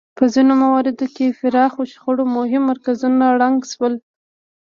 په ځینو مواردو کې پراخو شخړو مهم مرکزونه ړنګ شول.